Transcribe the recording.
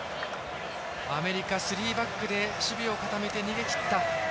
アメリカスリーバックで守備を固めて逃げきった。